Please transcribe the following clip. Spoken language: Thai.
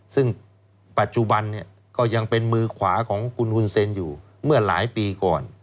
ซึ่งปัจจุบันเนี่ยก็ยังเป็นมือขวาของคุณฮุนเซ็นอยู่เมื่อหลายปีก่อน